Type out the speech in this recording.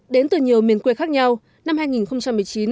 đến từ nhiều miền quê khác nhau năm hai nghìn một mươi chín